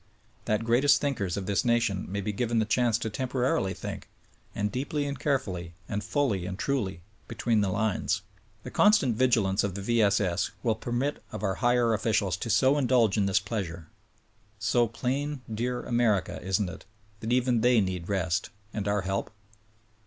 : That greatest thinkers of this nation may be given the chance to temporarily think, and deeply and carefully and fully and trul} , between the lines. The constant vigilance of the V. S. S. will permit of our higher officials to so indulge in this pleasure; so plain, dear America, isn't it — that even they need rest; and our help?